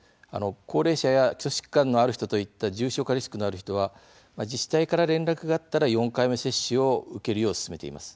高齢者や基礎疾患のある人といった重症化リスクのある人は自治体から連絡があったら４回目接種を受けるよう勧めています。